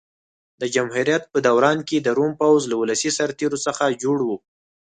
د جمهوریت په دوران کې د روم پوځ له ولسي سرتېرو څخه جوړ و.